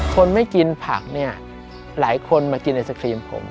คนไม่กินผักเนี่ยหลายคนมากินไอศครีมผม